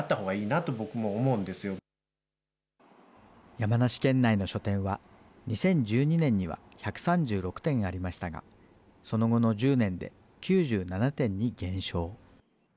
山梨県内の書店は、２０１２年には１３６店ありましたが、その後の１０年で９７店に減少。